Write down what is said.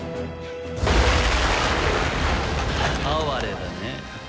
哀れだね。